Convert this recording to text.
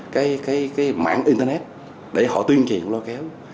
cái cái mạng internet để họ tuyên truyền lo kéo